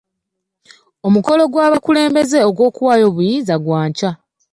Omukolo gw'abakulembeze okuwaayo obuyinza gwa nkya.